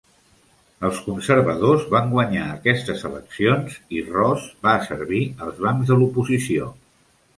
Els conservadors van guanyar aquestes eleccions i Ross va servir als bancs de l'oposició.